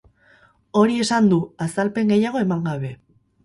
Hori esan du, azalpen gehiago eman gabe.